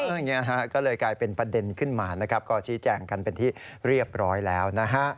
อย่างนี้ฮะก็เลยกลายเป็นประเด็นขึ้นมานะครับก็ชี้แจงกันเป็นที่เรียบร้อยแล้วนะฮะ